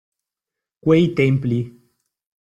Quei templi…